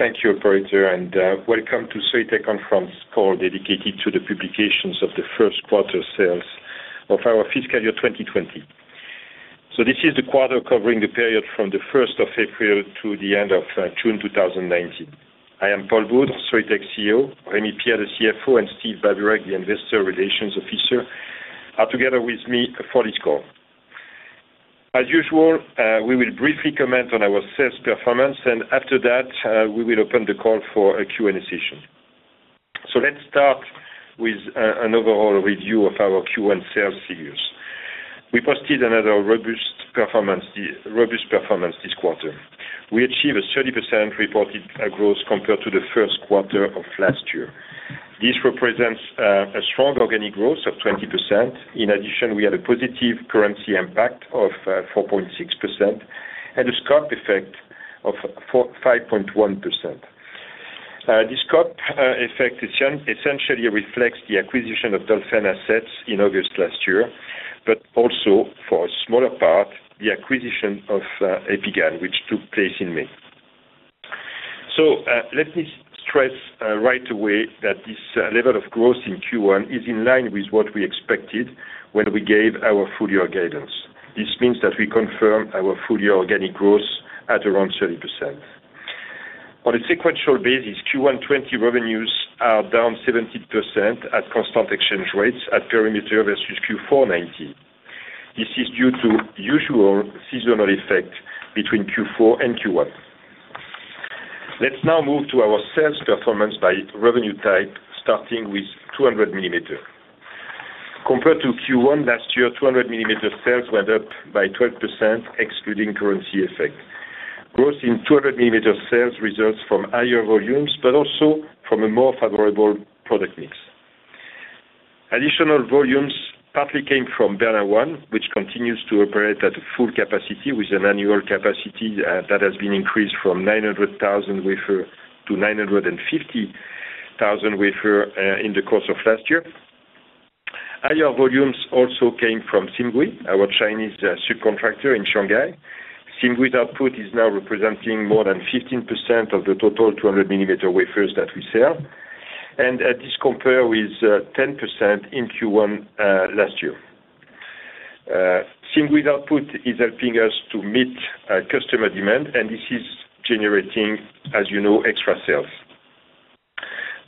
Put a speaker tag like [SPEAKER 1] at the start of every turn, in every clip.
[SPEAKER 1] Thank you, operator, and welcome to Soitec conference call dedicated to the publication of the first quarter sales of our fiscal year 2020. So this is the quarter covering the period from the 1st of April to the end of June 2019. I am Paul Boudre, Soitec CEO. Rémy Pierre, the CFO, and Steve Babureck, the investor relations officer, are together with me for this call. As usual, we will briefly comment on our sales performance, and after that, we will open the call for a Q&A session. So let's start with an overall review of our Q1 sales figures. We posted another robust performance this quarter. We achieved a 30% reported growth compared to the first quarter of last year. This represents a strong organic growth of 20%. In addition, we had a positive currency impact of 4.6% and a scope effect of 5.1%. This scope effect essentially reflects the acquisition of Dolphin assets in August last year, but also, for a smaller part, the acquisition of EpiGaN, which took place in May. So let me stress right away that this level of growth in Q1 is in line with what we expected when we gave our full year guidance. This means that we confirmed our full year organic growth at around 30%. On a sequential basis, Q1 2020 revenues are down 17% at constant exchange rates at perimeter versus Q4 2019. This is due to usual seasonal effect between Q4 and Q1. Let's now move to our sales performance by revenue type, starting with 200 mm. Compared to Q1 last year, 200 mm sales went up by 12%, excluding currency effect. Growth in 200 mm sales results from higher volumes, but also from a more favorable product mix. Additional volumes partly came from Bernin, which continues to operate at full capacity with an annual capacity that has been increased from 900,000 wafers to 950,000 wafers in the course of last year. Higher volumes also came from Simgui, our Chinese subcontractor in Shanghai. Simgui's output is now representing more than 15% of the total 200 mm wafers that we sell, and this compares with 10% in Q1 last year. Simgui's output is helping us to meet customer demand, and this is generating, as you know, extra sales.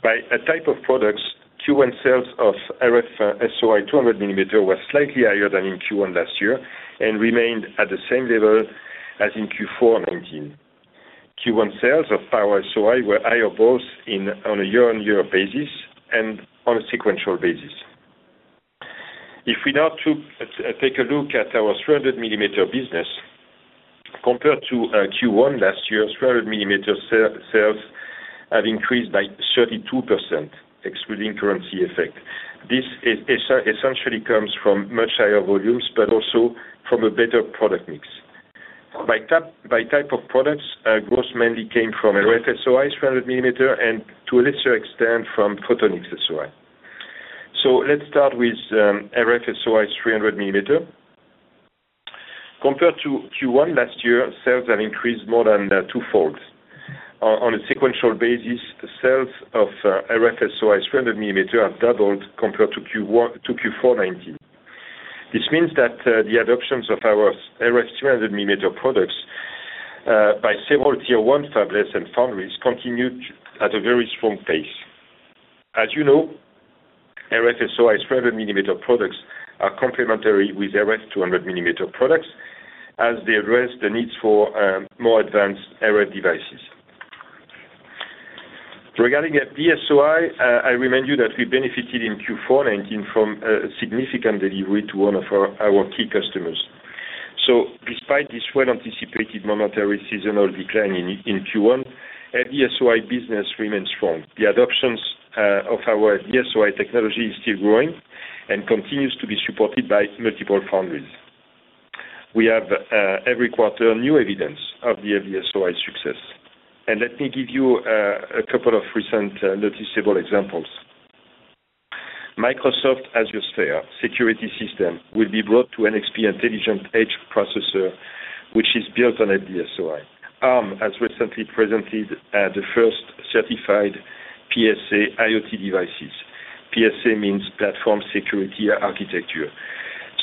[SPEAKER 1] By a type of products, Q1 sales of RF-SOI 200 mm were slightly higher than in Q1 last year and remained at the same level as in Q4 2019. Q1 sales of Power-SOI were higher both on a year-on-year basis and on a sequential basis. If we now take a look at our 300 mm business, compared to Q1 last year, 300 mm sales have increased by 32%, excluding currency effect. This essentially comes from much higher volumes, but also from a better product mix. By type of products, growth mainly came from RF-SOI 300 mm and, to a lesser extent, from photonics-SOI. So let's start with RF-SOI 300 mm. Compared to Q1 last year, sales have increased more than twofold. On a sequential basis, sales of RF-SOI 300 mm have doubled compared to Q4 2019. This means that the adoptions of our RF 300 mm products by several tier one fabless and foundries continued at a very strong pace. As you know, RF-SOI 300 mm products are complementary with RF 200 mm products, as they address the needs for more advanced RF devices. Regarding FD-SOI, I remind you that we benefited in Q4 2019 from significant delivery to one of our key customers. So despite this well-anticipated momentary seasonal decline in Q1, FD-SOI business remains strong. The adoptions of our FD-SOI technology are still growing and continue to be supported by multiple foundries. We have, every quarter, new evidence of the FD-SOI success. And let me give you a couple of recent noticeable examples. Microsoft Azure Sphere security system will be brought to NXP Intelligent Edge Processor, which is built on FD-SOI. Arm has recently presented the first certified PSA IoT devices. PSA means Platform Security Architecture.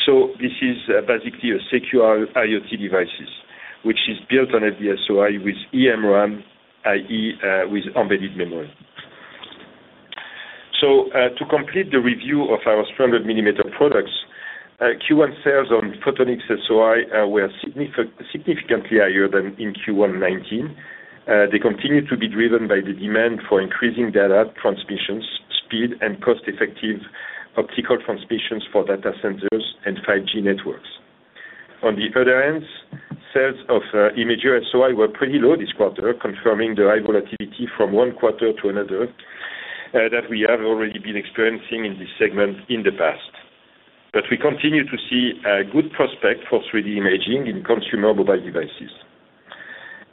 [SPEAKER 1] So this is basically a secure IoT device, which is built on FD-SOI with eMRAM, i.e., with embedded memory. So to complete the review of our 300 mm products, Q1 sales on Photonics-SOI were significantly higher than in Q1 2019. They continue to be driven by the demand for increasing data transmissions, speed, and cost-effective optical transmissions for data centers and 5G networks. On the other hand, sales of Imager-SOI were pretty low this quarter, confirming the high volatility from one quarter to another that we have already been experiencing in this segment in the past. But we continue to see a good prospect for 3D imaging in consumer mobile devices.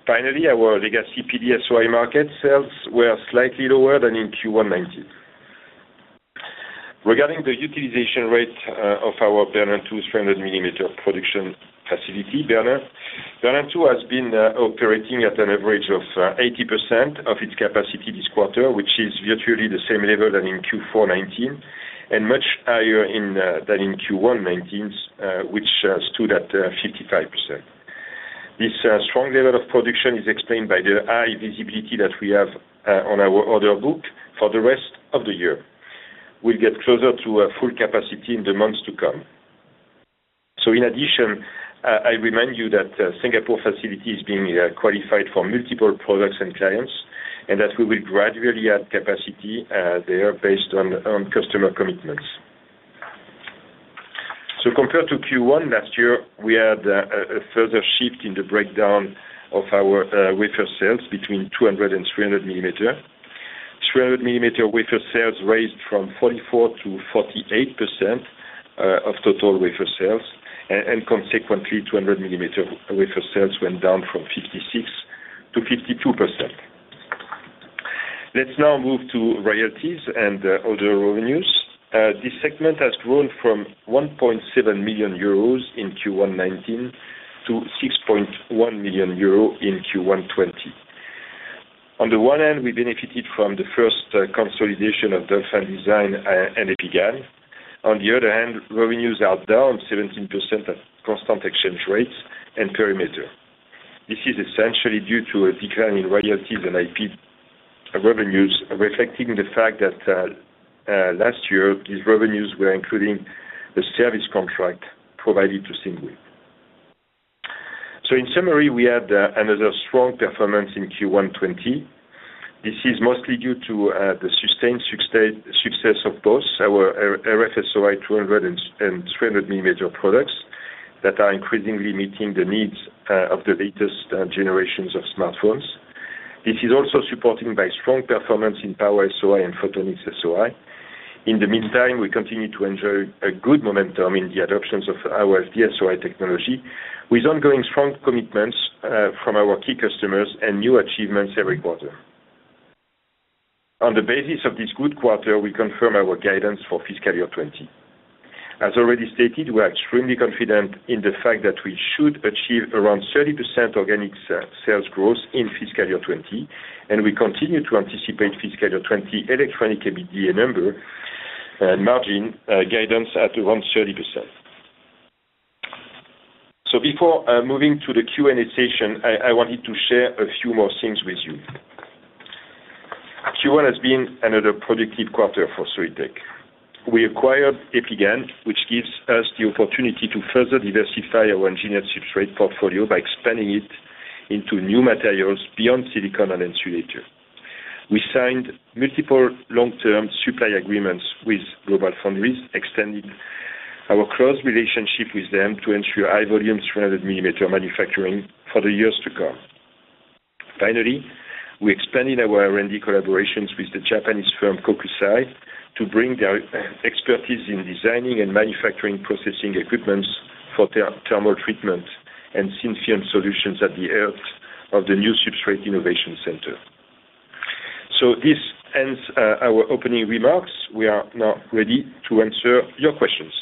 [SPEAKER 1] Finally, our legacy PD-SOI market sales were slightly lower than in Q1 2019. Regarding the utilization rate of our Bernin II 300 mm production facility, Bernin II has been operating at an average of 80% of its capacity this quarter, which is virtually the same level as in Q4 2019, and much higher than in Q1 2019, which stood at 55%. This strong level of production is explained by the high visibility that we have on our order book for the rest of the year. We'll get closer to full capacity in the months to come, so in addition, I remind you that Singapore facility is being qualified for multiple products and clients, and that we will gradually add capacity there based on customer commitments, so compared to Q1 last year, we had a further shift in the breakdown of our wafer sales between 200 and 300 mm. 300 mm wafer sales raised from 44%-48% of total wafer sales, and consequently, 200 mm wafer sales went down from 56%-52%. Let's now move to royalties and other revenues. This segment has grown from 1.7 million euros in Q1 2019 to 6.1 million euros in Q1 2020. On the one hand, we benefited from the first consolidation of Dolphin Design and EpiGaN. On the other hand, revenues are down 17% at constant exchange rates and perimeter. This is essentially due to a decline in royalties and IP revenues, reflecting the fact that last year, these revenues were including the service contract provided to Simgui. So in summary, we had another strong performance in Q1 2020. This is mostly due to the sustained success of both our RF-SOI 200 mm and 300 mm products that are increasingly meeting the needs of the latest generations of smartphones. This is also supported by strong performance in Power-SOI and Photonics-SOI. In the meantime, we continue to enjoy a good momentum in the adoptions of our FD-SOI technology, with ongoing strong commitments from our key customers and new achievements every quarter. On the basis of this good quarter, we confirm our guidance for fiscal year 2020. As already stated, we are extremely confident in the fact that we should achieve around 30% organic sales growth in fiscal year 2020, and we continue to anticipate fiscal year 2020 adjusted EBITDA number and margin guidance at around 30%. Before moving to the Q&A session, I wanted to share a few more things with you. Q1 has been another productive quarter for Soitec. We acquired EpiGaN, which gives us the opportunity to further diversify our engineered substrates portfolio by expanding it into new materials beyond silicon and insulator. We signed multiple long-term supply agreements with GlobalFoundries, extending our close relationship with them to ensure high-volume 300 mm manufacturing for the years to come. Finally, we expanded our R&D collaborations with the Japanese firm Kokusai to bring their expertise in designing and manufacturing processing equipment for thermal treatment and epitaxy solutions at the heart of the new Substrate Innovation Center. So this ends our opening remarks. We are now ready to answer your questions.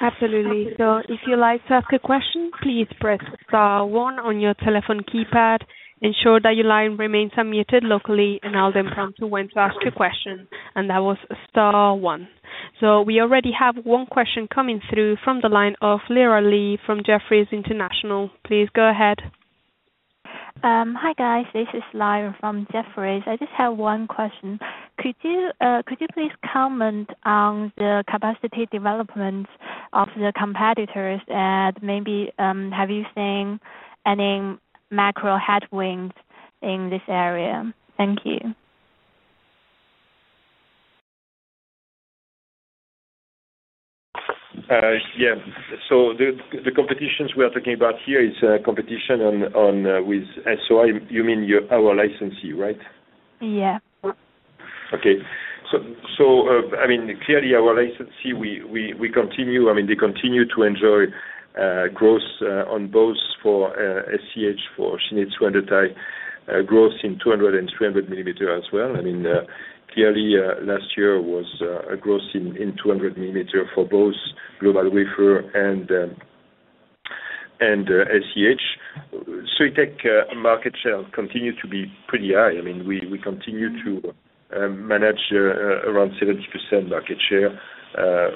[SPEAKER 2] Absolutely. So if you'd like to ask a question, please press star one on your telephone keypad. Ensure that your line remains unmuted locally, and I'll then prompt you when to ask a question. And that was star one. So we already have one question coming through from the line of Lira Lee from Jefferies International. Please go ahead.
[SPEAKER 3] Hi guys. This is Lira from Jefferies. I just have one question. Could you please comment on the capacity development of the competitors, and maybe have you seen any macro headwinds in this area? Thank you.
[SPEAKER 1] Yeah, so the competitions we are talking about here is a competition with SOI. You mean our licensee, right?
[SPEAKER 3] Yeah.
[SPEAKER 1] Okay. So I mean, clearly, our licensee, we continue—I mean, they continue to enjoy growth on both for SEH for Shin-Etsu Handotai growth in 200 mm and 300 mm as well. I mean, clearly, last year was a growth in 200 mm for both GlobalWafers and SEH. Soitec market share continues to be pretty high. I mean, we continue to manage around 70% market share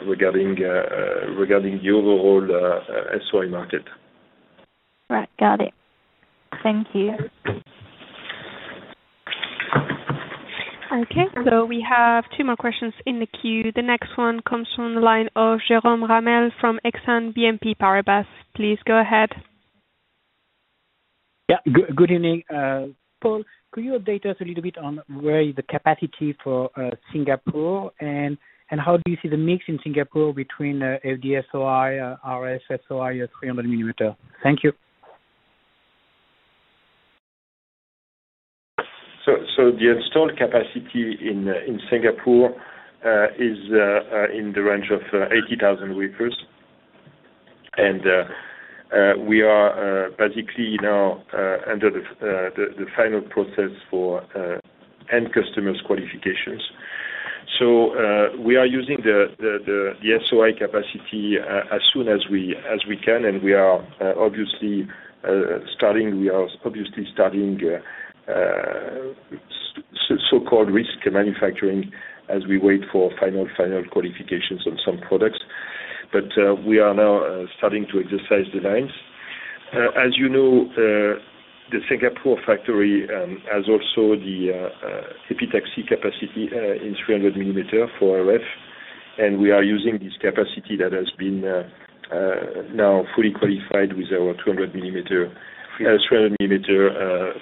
[SPEAKER 1] regarding the overall SOI market.
[SPEAKER 3] Right. Got it. Thank you.
[SPEAKER 2] Okay. So we have two more questions in the queue. The next one comes from the line of Jérôme Ramel from Exane BNP Paribas. Please go ahead.
[SPEAKER 4] Yeah. Good evening, Paul. Could you update us a little bit on where is the capacity for Singapore, and how do you see the mix in Singapore between FD-SOI, RF-SOI, 300 millimeter? Thank you.
[SPEAKER 1] The installed capacity in Singapore is in the range of 80,000 wafers, and we are basically now under the final process for end customers' qualifications. We are using the SOI capacity as soon as we can, and we are obviously starting so-called risk manufacturing as we wait for final qualifications on some products. We are now starting to exercise the lines. As you know, the Singapore factory has also the epitaxy capacity in 300 mm for RF, and we are using this capacity that has been now fully qualified with our 200 mm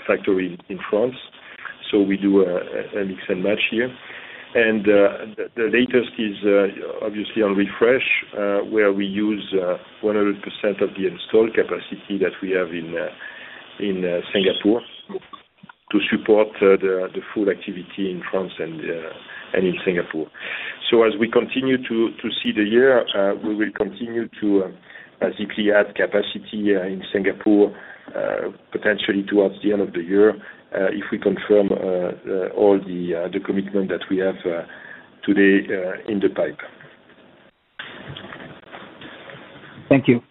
[SPEAKER 1] factory in France. We do a mix and match here. The latest is obviously on RF, where we use 100% of the installed capacity that we have in Singapore to support the full activity in France and in Singapore. So as we continue to see the year, we will continue to basically add capacity in Singapore potentially towards the end of the year if we confirm all the commitment that we have today in the pipe.
[SPEAKER 4] Thank you.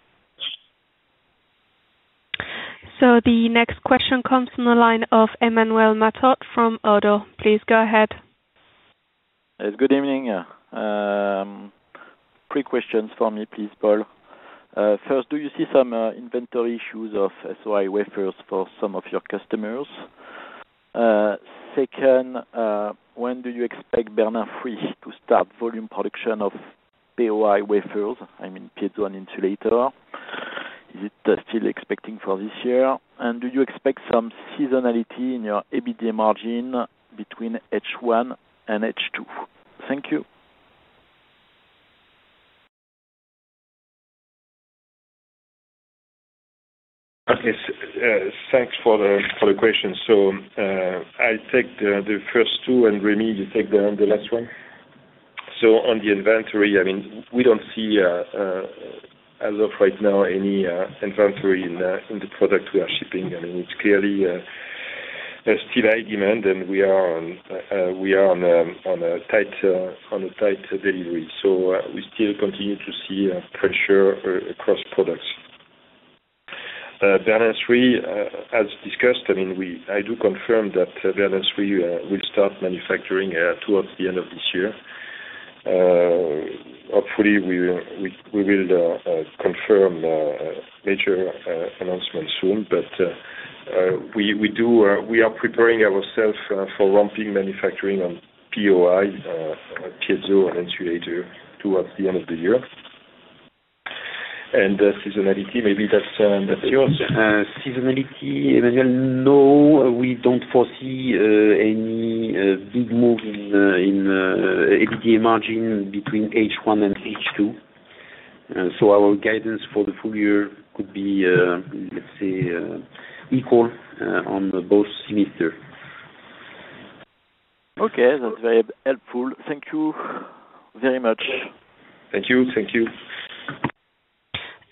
[SPEAKER 2] The next question comes from the line of Emmanuel Matot from Oddo. Please go ahead.
[SPEAKER 5] Good evening. Three questions for me, please, Paul. First, do you see some inventory issues of SOI wafers for some of your customers? Second, when do you expect Bernin III to start volume production of POI wafers, I mean, Piezo and Insulator? Is it still expected for this year? And do you expect some seasonality in your EBITDA margin between H1 and H2? Thank you.
[SPEAKER 1] Okay. Thanks for the question. So I'll take the first two, and Rémy, you take the last one. So on the inventory, I mean, we don't see, as of right now, any inventory in the product we are shipping. I mean, it's clearly still high demand, and we are on a tight delivery. So we still continue to see pressure across products. Bernin III, as discussed, I mean, I do confirm that Bernin III will start manufacturing towards the end of this year. Hopefully, we will confirm major announcements soon, but we are preparing ourselves for ramping manufacturing on POI, Piezoelectric-on-Insulator, towards the end of the year. And seasonality, maybe that's yours.
[SPEAKER 6] Seasonality, Emmanuel. No, we don't foresee any big move in EBITDA margin between H1 and H2. So our guidance for the full year could be, let's say, equal on both semesters.
[SPEAKER 5] Okay. That's very helpful. Thank you very much.
[SPEAKER 1] Thank you. Thank you.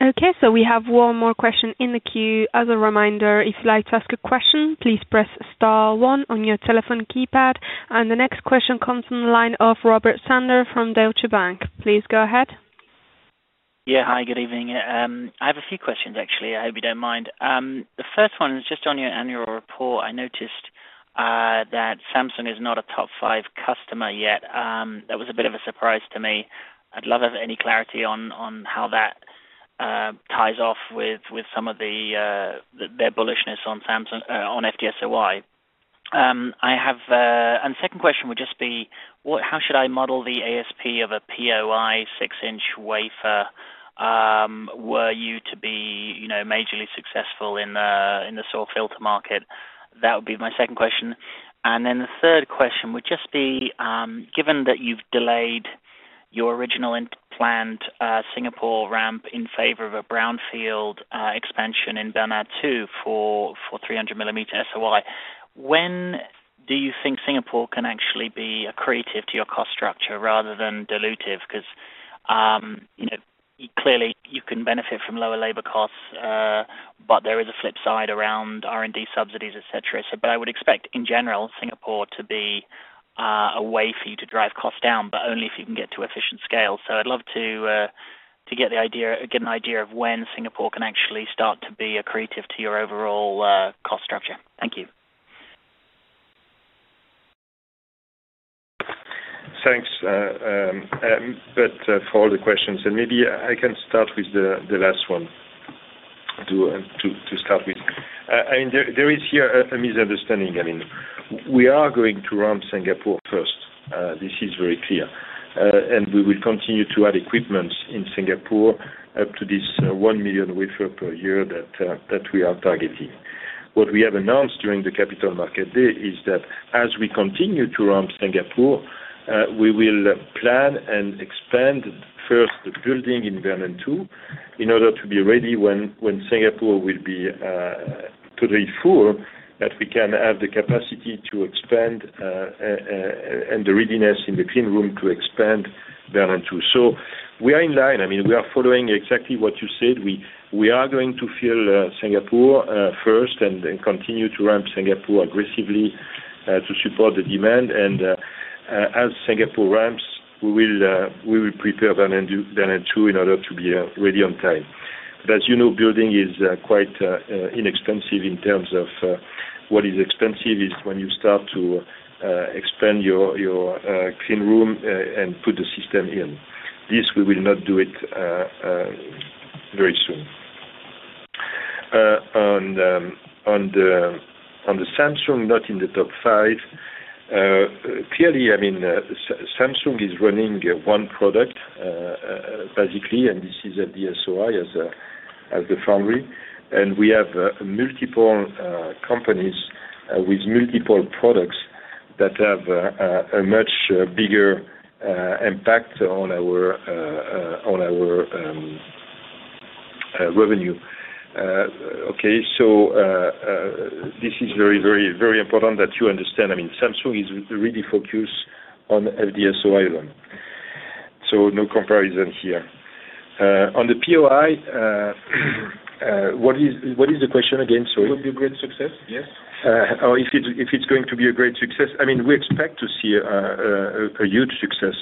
[SPEAKER 2] Okay. So we have one more question in the queue. As a reminder, if you'd like to ask a question, please press star one on your telephone keypad. And the next question comes from the line of Robert Sanders from Deutsche Bank. Please go ahead.
[SPEAKER 7] Yeah. Hi. Good evening. I have a few questions, actually. I hope you don't mind. The first one is just on your annual report. I noticed that Samsung is not a top five customer yet. That was a bit of a surprise to me. I'd love any clarity on how that ties off with some of their bullishness on FD-SOI. And the second question would just be, how should I model the ASP of a POI six-inch wafer were you to be majorly successful in the SAW filter market? That would be my second question. And then the third question would just be, given that you've delayed your original planned Singapore ramp in favor of a brownfield expansion in Bernin II for 300 mm SOI, when do you think Singapore can actually be accretive to your cost structure rather than dilutive? Because clearly, you can benefit from lower labor costs, but there is a flip side around R&D subsidies, etc. But I would expect, in general, Singapore to be a way for you to drive costs down, but only if you can get to efficient scale. So I'd love to get an idea of when Singapore can actually start to be accretive to your overall cost structure. Thank you.
[SPEAKER 1] Thanks. But for all the questions, and maybe I can start with the last one to start with. I mean, there is here a misunderstanding. I mean, we are going to ramp Singapore first. This is very clear. And we will continue to add equipment in Singapore up to this one million wafers per year that we are targeting. What we have announced during the Capital Market Day is that as we continue to ramp Singapore, we will plan and expand first the building in Bernin II in order to be ready when Singapore will be totally full, that we can have the capacity to expand and the readiness in the clean room to expand Bernin II. So we are in line. I mean, we are following exactly what you said. We are going to fill Singapore first and continue to ramp Singapore aggressively to support the demand. And as Singapore ramps, we will prepare Bernin II in order to be ready on time. But as you know, building is quite inexpensive in terms of what is expensive is when you start to expand your clean room and put the system in. This we will not do it very soon. On the Samsung, not in the top five. Clearly, I mean, Samsung is running one product basically, and this is FD-SOI as the foundry. And we have multiple companies with multiple products that have a much bigger impact on our revenue. Okay. So this is very, very, very important that you understand. I mean, Samsung is really focused on FD-SOI alone. So no comparison here. On the POI, what is the question again? Sorry.
[SPEAKER 6] Would be a great success, yes.
[SPEAKER 1] If it's going to be a great success, I mean, we expect to see a huge success,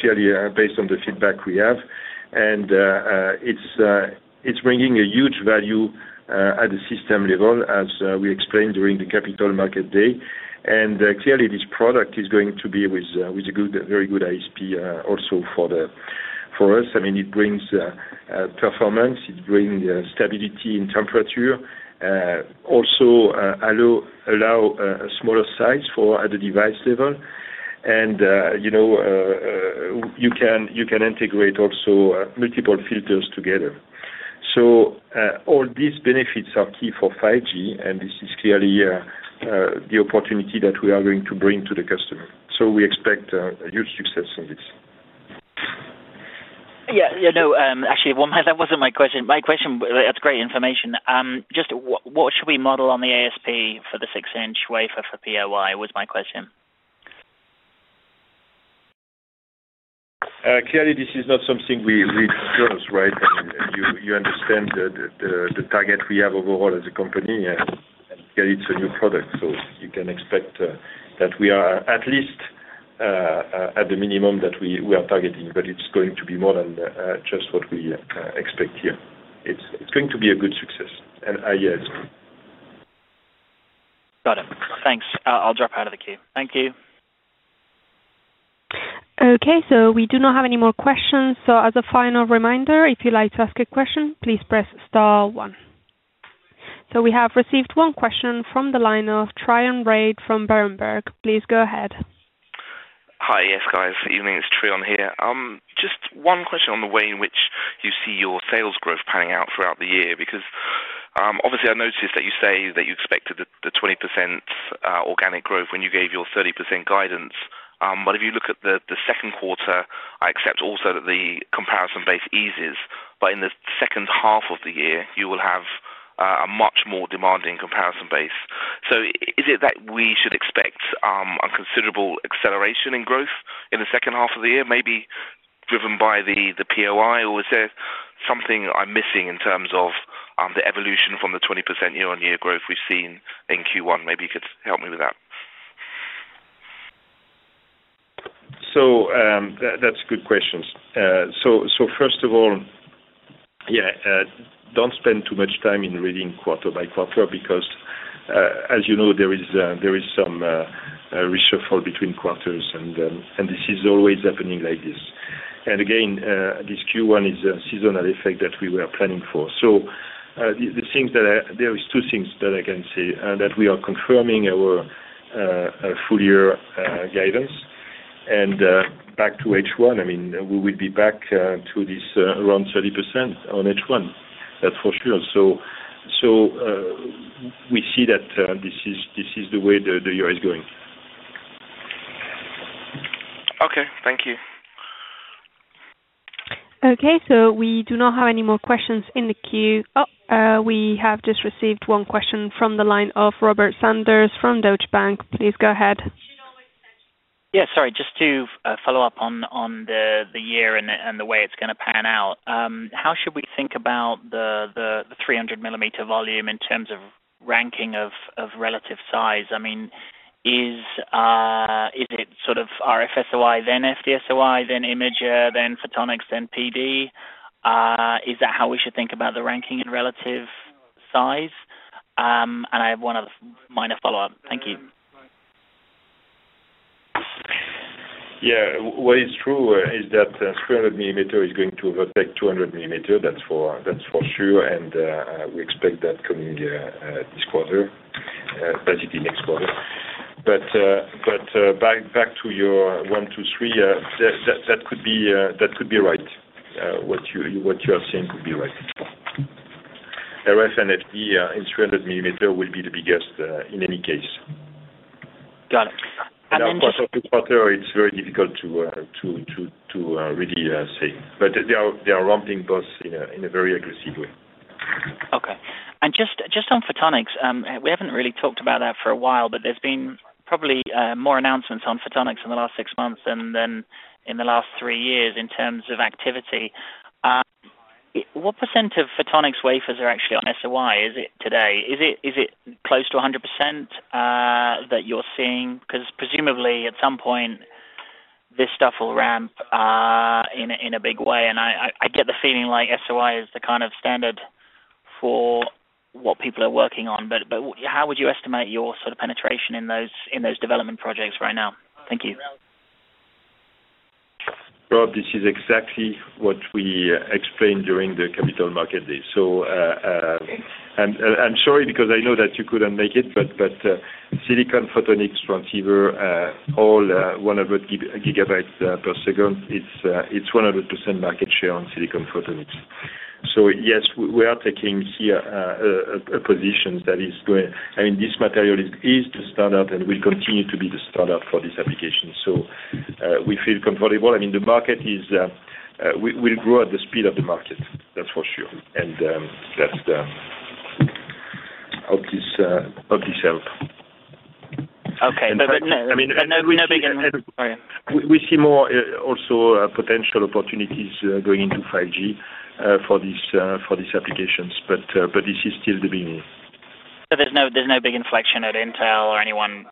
[SPEAKER 1] clearly, based on the feedback we have. And it's bringing a huge value at the system level, as we explained during the Capital Market Day. And clearly, this product is going to be with a very good ASP also for us. I mean, it brings performance, it brings stability in temperature, also allows a smaller size at the device level. And you can integrate also multiple filters together. So all these benefits are key for 5G, and this is clearly the opportunity that we are going to bring to the customer. So we expect a huge success in this.
[SPEAKER 7] Yeah. No, actually, that wasn't my question. My question, that's great information. Just what should we model on the ASP for the six-inch wafer for POI was my question.
[SPEAKER 1] Clearly, this is not something we chose, right? I mean, you understand the target we have overall as a company, and clearly, it's a new product. So, you can expect that we are at least at the minimum that we are targeting, but it's going to be more than just what we expect here. It's going to be a good success, and I guess.
[SPEAKER 7] Got it. Thanks. I'll drop out of the queue. Thank you.
[SPEAKER 2] Okay. So, we do not have any more questions. So as a final reminder, if you'd like to ask a question, please press star one. So, we have received one question from the line of Trion Reid from Berenberg. Please go ahead.
[SPEAKER 8] Hi, yes, guys. Evening, Trion here. Just one question on the way in which you see your sales growth panning out throughout the year. Because obviously, I noticed that you say that you expected the 20% organic growth when you gave your 30% guidance. But if you look at the second quarter, I accept also that the comparison base eases. But in the second half of the year, you will have a much more demanding comparison base. So, is it that we should expect a considerable acceleration in growth in the second half of the year, maybe driven by the POI, or is there something I'm missing in terms of the evolution from the 20% year-on-year growth we've seen in Q1? Maybe you could help me with that.
[SPEAKER 1] So those are good questions. So first of all, yeah, don't spend too much time in reading quarter by quarter because, as you know, there is some reshuffle between quarters, and this is always happening like this. And again, this Q1 is a seasonal effect that we were planning for. So there are two things that I can say that we are confirming our full-year guidance. And back to H1, I mean, we will be back to this around 30% on H1. That's for sure. So we see that this is the way the year is going.
[SPEAKER 8] Okay. Thank you.
[SPEAKER 2] Okay. So, we do not have any more questions in the queue. Oh, we have just received one question from the line of Robert Sanders from Deutsche Bank. Please go ahead.
[SPEAKER 7] Yeah. Sorry. Just to follow up on the year and the way it's going to pan out. How should we think about the 300 mm volume in terms of ranking of relative size? I mean, is it sort of RF-SOI, then FD-SOI, then Imager-SOI, then Photonics-SOI, then PD-SOI? Is that how we should think about the ranking in relative size? And I have one other minor follow-up. Thank you.
[SPEAKER 1] Yeah. What is true is that 300 mm is going to affect 200 mm. That's for sure, and we expect that coming this quarter, basically next quarter, but back to your one, two, three, that could be right. What you are saying could be right. RF and FD in 300 millimeter will be the biggest in any case.
[SPEAKER 7] Got it. And then just.
[SPEAKER 1] Quarter to quarter, it's very difficult to really say. They are ramping in a very aggressive way.
[SPEAKER 7] Okay. And just on Photonics, we haven't really talked about that for a while, but there's been probably more announcements on Photonics in the last six months than in the last three years in terms of activity. What % of Photonics wafers are actually on SOI today? Is it close to 100% that you're seeing? Because presumably, at some point, this stuff will ramp in a big way. And I get the feeling like SOI is the kind of standard for what people are working on. But how would you estimate your sort of penetration in those development projects right now? Thank you.
[SPEAKER 1] Rob, this is exactly what we explained during the Capital Market Day. And I'm sorry because I know that you couldn't make it, but Silicon Photonics transceiver, all 100 gigabytes per second, it's 100% market share on Silicon Photonics. So yes, we are taking here a position that is going - I mean, this material is the standard and will continue to be the standard for this application. So, we feel comfortable. I mean, the market will grow at the speed of the market. That's for sure. And that's the hope this helps.
[SPEAKER 7] Okay, but no, we see more.
[SPEAKER 1] We see more also potential opportunities going into 5G for these applications. But this is still the beginning.
[SPEAKER 7] So there's no big inflection at Intel or anyone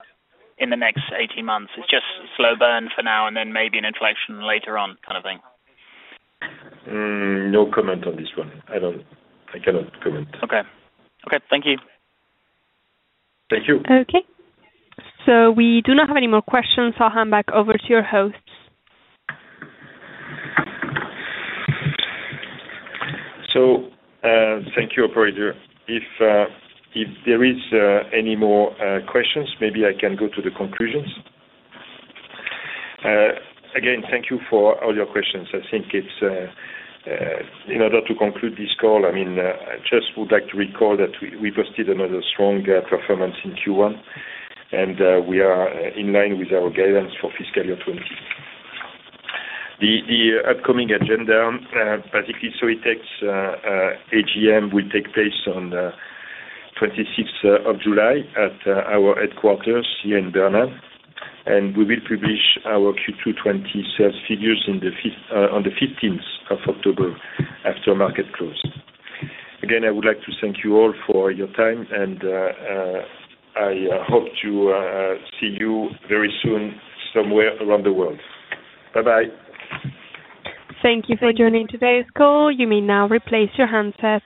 [SPEAKER 7] in the next 18 months? It's just slow burn for now and then maybe an inflection later on kind of thing?
[SPEAKER 1] No comment on this one. I cannot comment.
[SPEAKER 7] Okay. Okay. Thank you.
[SPEAKER 1] Thank you.
[SPEAKER 2] Okay. We do not have any more questions. I'll hand back over to your hosts.
[SPEAKER 1] So, thank you, Operator. If there is any more questions, maybe I can go to the conclusions. Again, thank you for all your questions. I think it's in order to conclude this call. I mean, I just would like to recall that we posted another strong performance in Q1. And we are in line with our guidance for fiscal year 2020. The upcoming agenda, basically, so the AGM will take place on the 26th of July at our headquarters here in Bernin. And we will publish our Q2 2020 sales figures on the 15th of October after market close. Again, I would like to thank you all for your time. And I hope to see you very soon somewhere around the world. Bye-bye.
[SPEAKER 2] Thank you for joining today's call. You may now replace your handset.